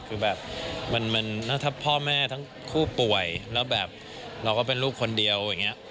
คือแบบมันถ้าพ่อแม่ทั้งคู่ป่วยแล้วแบบเราก็เป็นลูกคนเดียวอย่างนี้